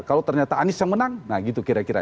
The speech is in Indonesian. kalau ternyata anies yang menang nah gitu kira kira